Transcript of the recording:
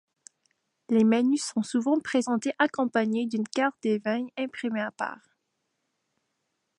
Les menus sont souvent présentés accompagnés d'une carte des vins imprimée à part.